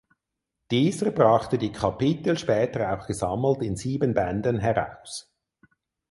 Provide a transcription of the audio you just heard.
Dieser brachte die Kapitel später auch gesammelt in sieben Bänden heraus.